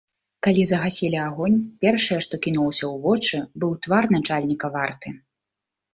Калі загасілі агонь, першае, што кінулася ў вочы, быў твар начальніка варты.